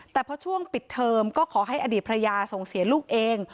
แต่พอช่วงปิดเทอมก็ขอให้อดีตภรรยาส่งเสียลูกเอง